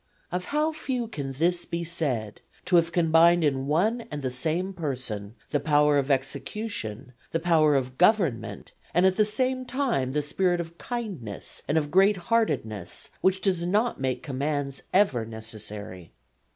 Of how few can this be said to have combined in one and the same person the power of execution, the power of government, and at the same time the spirit of kindness and of great heartedness which does not make commands ever necessary.